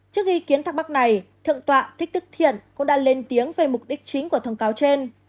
trước ý kiến thắc mắc này thượng tọa thích đức thiện cũng đã lên tiếng về mục đích chính của thông cáo trên